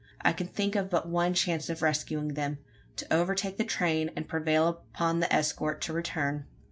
I could think of but one chance of rescuing them: to overtake the train, and prevail upon the escort to return.